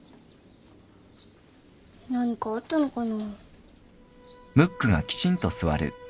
何かあったのかな。